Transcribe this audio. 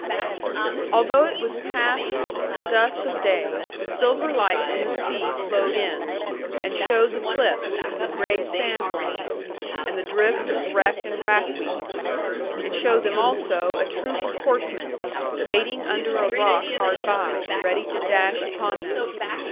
'Although it was past the dusk of day, the silver light from the sea flowed in, and showed the cliffs, and the gray sand line, and the drifts of wreck, and wrack weed. It showed them also a troop of horsemen, waiting under a rock hard by, and ready to dash upon them.